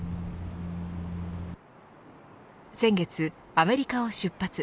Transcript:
先月アメリカを出発。